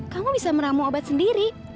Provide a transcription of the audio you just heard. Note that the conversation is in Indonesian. kamu bisa meramu obat sendiri